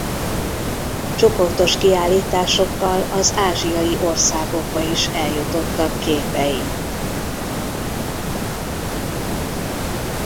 Csoportos kiállításokkal az ázsiai országokba is eljutottak képei.